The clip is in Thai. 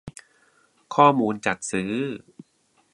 ข้อมูลจัดซื้อ